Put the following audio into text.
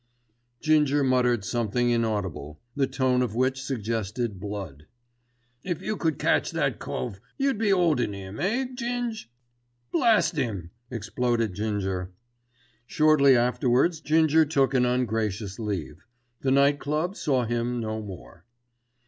Ginger muttered something inaudible, the tone of which suggested blood. "If you could catch that cove you'd be 'oldin' 'im, eh Ging?" "Blast 'im!" exploded Ginger. Shortly afterwards Ginger took an ungracious leave. The Night Club saw him no more.